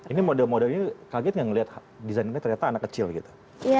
ini model modelnya kaget gak ngelihat designnya ternyata anak kecil gitu